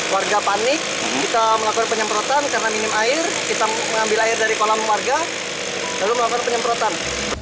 warga panik kita melakukan penyemprotan karena minim air kita mengambil air dari kolam warga lalu melakukan penyemprotan